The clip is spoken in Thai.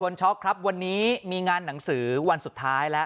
ช็อกครับวันนี้มีงานหนังสือวันสุดท้ายแล้ว